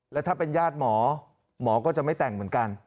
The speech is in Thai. แล้วถ้าเป็นญาติหมอหมอก็จะไม่แต่งเหมือนกัน